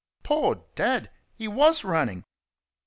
Poor Dad! He was running.